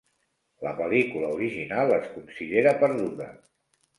La pel·lícula original es considera perduda.